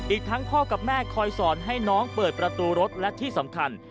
อีกทั้งพ่อกับแม่คอยสอนให้น้องเปิดประตูรถและที่สำคัญ